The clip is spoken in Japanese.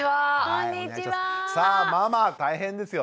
さあママ大変ですよね。